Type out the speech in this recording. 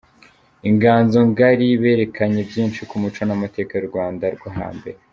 Inganzo Ngari berekanye byinshi ku muco n'amateka y'u Rwanda rwo hambere.